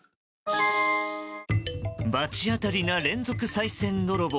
罰当たりな連続さい銭泥棒。